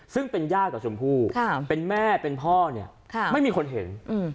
ซึ่งเป็นย่ากับชมพู่เป็นแม่เป็นพ่อเนี่ยไม่มีคนเห็น